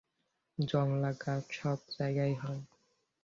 জংলা গাছ সব জায়গায় হয়।